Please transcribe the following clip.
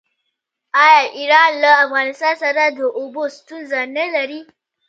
آیا ایران له افغانستان سره د اوبو ستونزه نلري؟